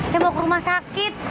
saya bawa ke rumah sakit